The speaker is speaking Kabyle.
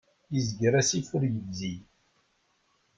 Izger asif ur yebzig.